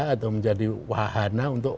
atau menjadi wahana untuk